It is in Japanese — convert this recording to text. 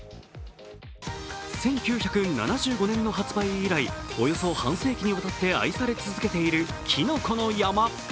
１９７５年の発売以来、およそ半世紀にわたって愛され続けている、きのこの山。